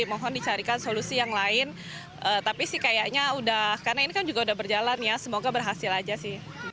mohon dicarikan solusi yang lain tapi sih kayaknya udah karena ini kan juga udah berjalan ya semoga berhasil aja sih